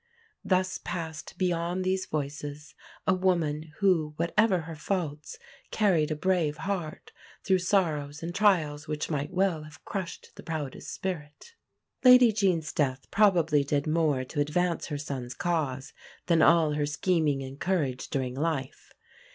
Thus passed "beyond these voices" a woman, who, whatever her faults, carried a brave heart through sorrows and trials which might well have crushed the proudest spirit. Lady Jean's death probably did more to advance her son's cause than all her scheming and courage during life.